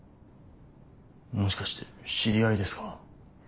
もしかして知り合いですか？